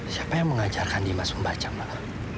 siapa yang mengajarkan dimas membaca mbak